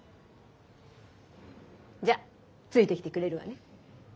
じゃあついてきてくれるわね？